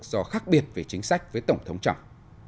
do khác biệt về chính sách với tổng thống trump